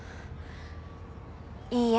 いいえ。